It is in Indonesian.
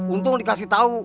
untung dikasih tahu